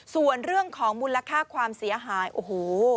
ส่วนเรื่องของมูลค่าความเสียหายโอ้โห